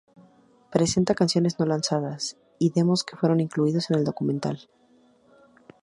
Presenta canciones no lanzadas y demos que fueron incluidos en el documental.